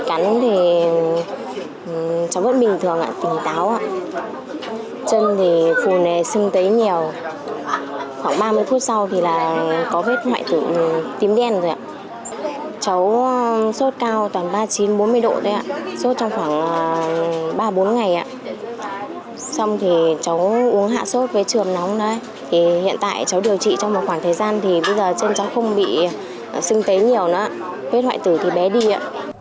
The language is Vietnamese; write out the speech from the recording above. trong thì cháu uống hạ sốt với trường nóng đó hiện tại cháu điều trị trong một khoảng thời gian thì bây giờ trên cháu không bị sưng tế nhiều nữa vết hoại tử thì bé đi ạ